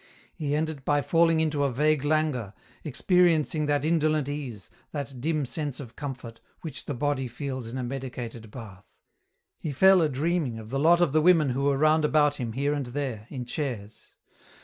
He ended by falling into a vague languor, experiencing that indolent ease, that dim sense of comfort, which the body feels in a medicated bath. He fell a dreaming of the lot of the women who were round about him here and there, in chairs.